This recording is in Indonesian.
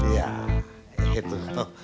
ya itu tuh